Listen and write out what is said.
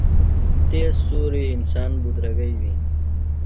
تیز سُوریۡ انسان بُدرَگئینی۔